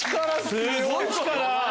すっごい力！